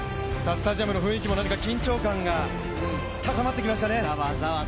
スタジアムの雰囲気も緊張感が高まってきましたね。